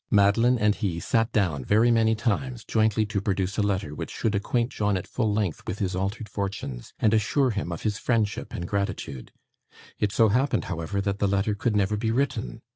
Madeline and he sat down, very many times, jointly to produce a letter which should acquaint John at full length with his altered fortunes, and assure him of his friendship and gratitude. It so happened, however, that the letter could never be written.